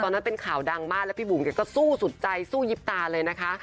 นั้นเป็นข่าวดังมากแล้วพี่บุ๋มก็สู้สุดใจสู้ยิบตาเลยนะคะ